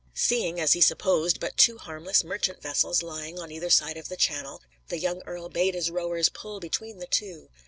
Seeing, as he supposed, but two harmless merchant vessels lying on either side of the channel, the young earl bade his rowers pull between the two.